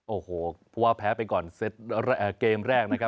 โอโหเพราะว่าแพ้ไปก่อนเซตเกมแรก